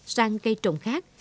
sang cây trồng khác